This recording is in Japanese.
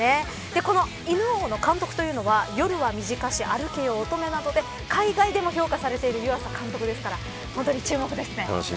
この犬王の監督というのは夜は短し歩けよ乙女などで海外でも評価されている湯浅監督ですから本当に注目ですね。